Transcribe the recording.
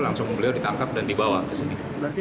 langsung beliau ditangkap dan dibawa ke sini